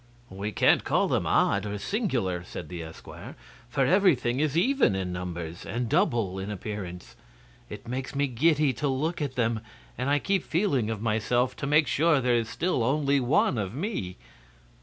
"We can't call them odd or singular," said the esquire, "for everything is even in numbers and double in appearance. It makes me giddy to look at them, and I keep feeling of myself to make sure there is still only one of me."